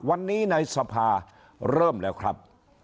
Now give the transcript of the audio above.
วันนี้ในสภาเริ่มแล้วครับ